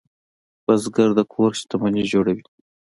بزګر د کور شتمني جوړوي